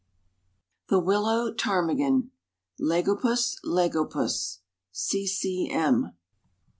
] THE WILLOW PTARMIGAN. (Lagopus lagopus.) C. C. M.